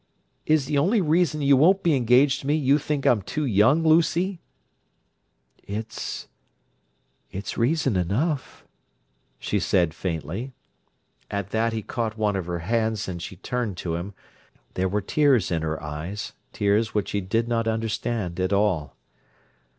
"Is the only reason you won't be engaged to me you think I'm too young, Lucy?" "It's—it's reason enough," she said faintly. At that he caught one of her hands, and she turned to him: there were tears in her eyes, tears which he did not understand at all.